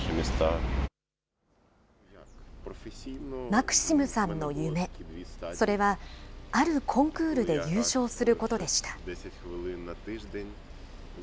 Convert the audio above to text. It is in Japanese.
マクシムさんの夢、それは、あるコンクールで優勝することでした。